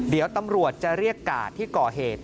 เดี๋ยวตำรวจจะเรียกกาดที่ก่อเหตุ